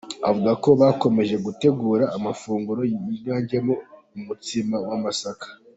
Avuga ko bakomeje gutegura amafunguro yiganjemo umutsima w’amasaka.